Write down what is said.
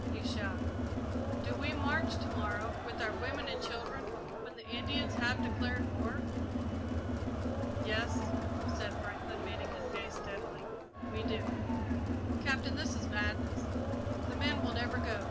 he shouted. "Do we march to morrow, with our women and children, when the Indians have declared war?" "Yes," said Franklin, meeting his gaze steadily, "we do." "Captain, this is madness. The men will never go.